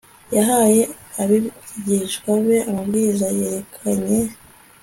yahaye abigishwa be amabwiriza yerekeranye